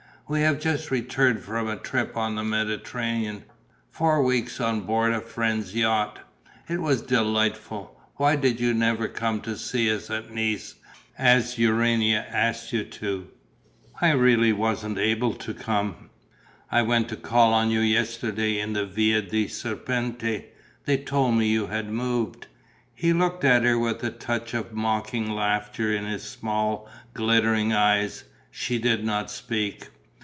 We have just returned from a trip on the Mediterranean. Four weeks on board a friend's yacht. It was delightful! Why did you never come to see us at Nice, as Urania asked you to?" "I really wasn't able to come." "I went to call on you yesterday in the Via dei Serpenti. They told me you had moved." He looked at her with a touch of mocking laughter in his small, glittering eyes. She did not speak.